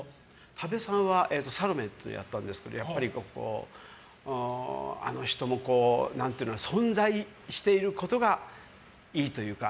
多部さんは「サロメ」やったんですけどあの人も、存在していることがいいというか。